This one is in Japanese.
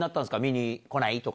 見に来ない？とか。